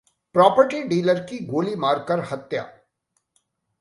property dealer की गोली मार कर हत्या